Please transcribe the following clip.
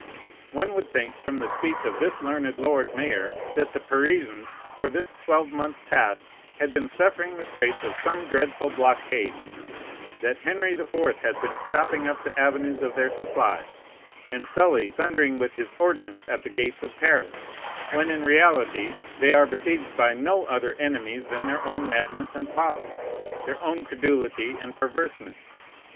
One would think, from the speech of this learned lord mayor, that the Parisians, for this twelvemonth past, had been suffering the straits of some dreadful blockade, that Henry the Fourth had been stopping up the avenues to their supply, and Sully thundering with his ordnance at the gates of Paris, when in reality they are besieged by no other enemies than their own madness and folly, their own credulity and perverseness.